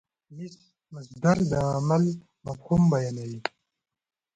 مصدر د عمل مفهوم بیانوي.